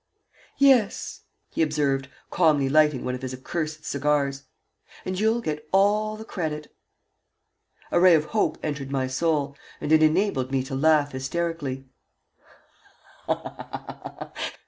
"Yes," he observed, calmly lighting one of his accursed cigars. "And you'll get all the credit." A ray of hope entered my soul, and it enabled me to laugh hysterically.